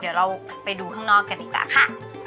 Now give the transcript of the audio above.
เดี๋ยวเราไปดูข้างนอกกันดีกว่าค่ะ